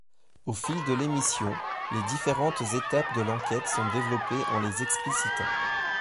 Au fil de l'émission, les différentes étapes de l'enquête sont développées en les explicitant.